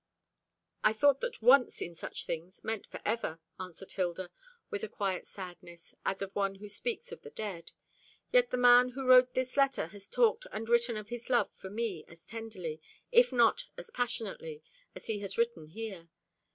"I thought that once in such things meant for ever," answered Hilda, with a quiet sadness, as of one who speaks of the dead. "Yet the man who wrote this letter has talked and written of his love for me as tenderly, if not as passionately, as he has written here.